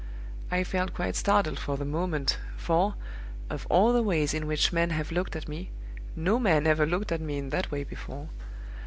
I felt quite startled for the moment, for, of all the ways in which men have looked at me, no man ever looked at me in that way before.